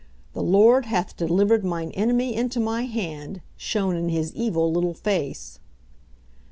"The Lord hath delivered mine enemy into my hand," shone in his evil little face.